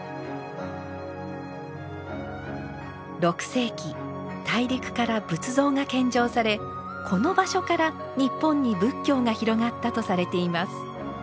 ６世紀大陸から仏像が献上されこの場所から日本に仏教が広がったとされています。